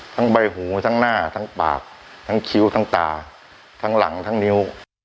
ใบหูทั้งหน้าทั้งปากทั้งคิ้วทั้งตาทั้งหลังทั้งนิ้ว